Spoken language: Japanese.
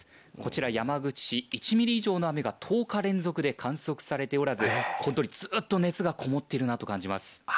こちら、山口１ミリ以上の雨が１０日以上観測されておらず熱がこもっているなと感じます。